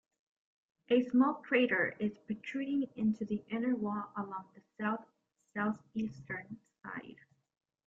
A small crater is protruding into the inner wall along the south-southeastern side.